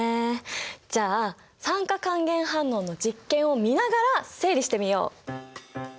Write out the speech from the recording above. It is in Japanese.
じゃあ酸化還元反応の実験を見ながら整理してみよう！